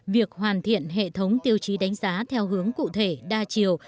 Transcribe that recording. việc hoàn thiện hệ thống tiêu chí đánh giá theo hướng cụ thể đa chiều